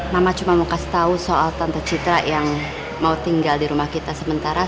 mama cuma mau kasih tahu soal tante citra yang mau tinggal di rumah kita sementara